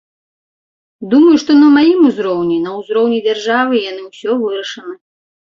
Думаю, што на маім узроўні, на ўзроўні дзяржавы яны ўсё вырашаны.